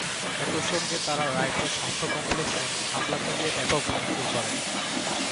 একই সঙ্গে তাঁরা রায়পুর স্বাস্থ্য কমপ্লেক্সে হামলা চালিয়ে ব্যাপক ভাঙচুর করেন।